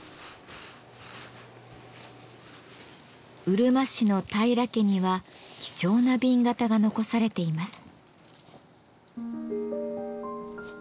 うるま市の平良家には貴重な紅型が残されています。